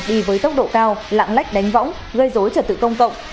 đi với tốc độ cao lạng lách đánh võng gây dối trật tự công cộng